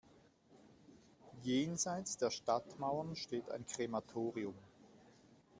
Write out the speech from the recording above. Jenseits der Stadtmauern steht ein Krematorium.